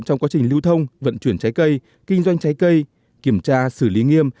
trong quá trình lưu thông vận chuyển trái cây kinh doanh trái cây kiểm tra xử lý nghiêm